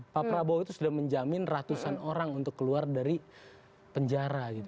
pak prabowo itu sudah menjamin ratusan orang untuk keluar dari penjara gitu